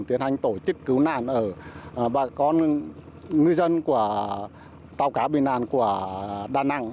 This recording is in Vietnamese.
tiến hành tổ chức cứu nạn ở bà con ngư dân của tàu cá bị nạn của đà nẵng